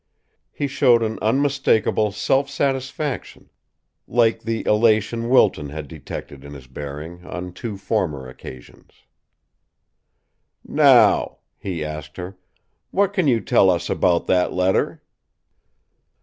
He showed an unmistakable self satisfaction, like the elation Wilton had detected in his bearing on two former occasions. "Now," he asked her, "what can you tell us about that letter?"